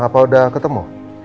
apa udah ketemu